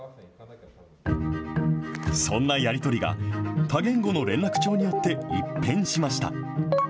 そんなやり取りが、多言語の連絡帳によって一変しました。